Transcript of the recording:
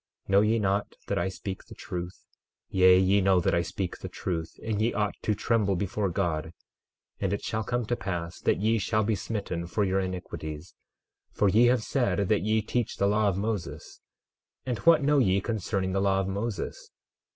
12:30 Know ye not that I speak the truth? Yea, ye know that I speak the truth; and you ought to tremble before God. 12:31 And it shall come to pass that ye shall be smitten for your iniquities, for ye have said that ye teach the law of Moses. And what know ye concerning the law of Moses?